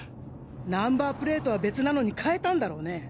ナンバープレートは別なのに換えたんだろうね？